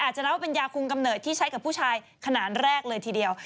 จะนับว่าเป็นยาคุมกำเนิดที่ใช้กับผู้ชายขนาดแรกเลยทีเดียว